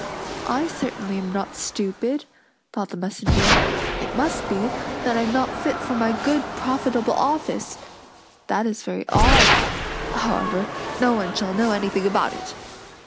"I certainly am not stupid!" thought the messenger. "It must be, that I am not fit for my good, profitable office! That is very odd; however, no one shall know anything about it."